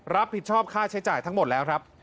รับผิดชอบค่าใช้จ่ายทั้งหมดแล้วครับ